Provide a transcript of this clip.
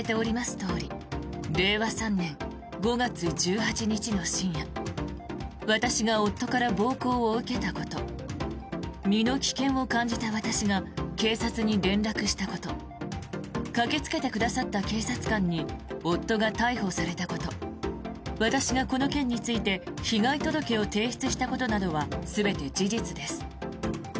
とおり令和３年５月１８日の深夜私が夫から暴行を受けたこと身の危険を感じた私が警察に連絡したこと駆けつけてくださった警察官に夫が逮捕されたこと私がこの件について被害届を提出したことなどは全て事実です。